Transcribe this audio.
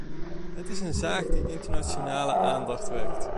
Het is een zaak die internationale aandacht wekt.